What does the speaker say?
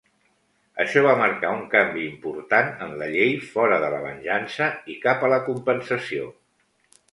Això va marcar un canvi important en la Llei fora de la venjança i cap a la compensació.